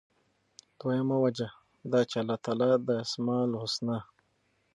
دویمه وجه دا چې الله تعالی د أسماء الحسنی،